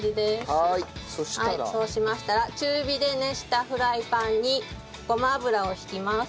はいそうしましたら中火で熱したフライパンにごま油を引きます。